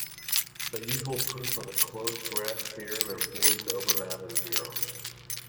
The usual proof of the closed graph theorem employs the open mapping theorem.